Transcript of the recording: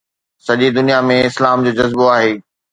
سڄي دنيا ۾ اسلام جو جذبو آهي